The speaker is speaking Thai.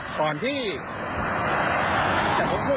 ก่อนที่พวกผมจะกัด